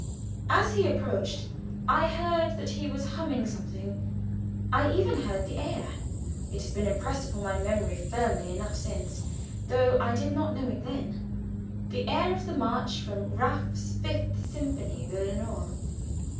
As he approached, I heard that he was humming something. I even heard the air; it has been impressed upon my memory firmly enough since, though I did not know it then the air of the march from Raff's Fifth Symphonie, the "Lenore."